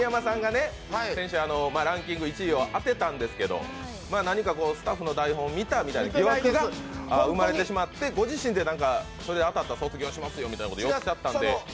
先週ランキング１位を当てたんですけど、何かスタッフの台本を見たという疑惑が生まれてしまって、ご自身でそれで当たったら卒業しますよなんて言ってらしたんで。